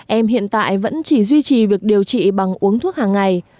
em hiện tại vẫn chỉ duy trì việc điều trị bằng uống thuốc hàng ngày